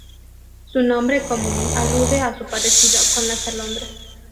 Su nombre común alude a su parecido con las alondras.